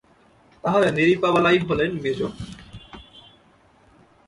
তা হলে নৃপবালাই হলেন মেজো।